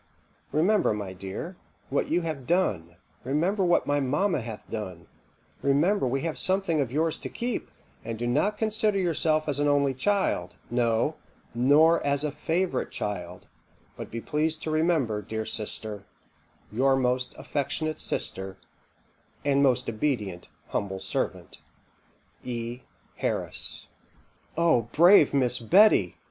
Remember, my dear, what you have done; remember what my mamma hath done; remember we have something of yours to keep, and do not consider yourself as an only child; no, nor as a favourite child; but be pleased to remember, Dear sister, Your most affectionate sister, "'and most obedient humble servant, "'E. HARRIS.'" "O brave Miss Betty!"